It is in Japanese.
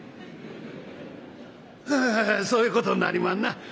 「ああそういうことになりまんな」。